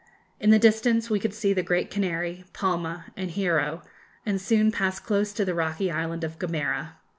In the distance we could see the Great Canary, Palma, and Hierro, and soon passed close to the rocky island of Gomera.